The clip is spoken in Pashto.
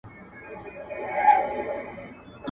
ټولنیزې رسنۍ چټک پرمختګ کوي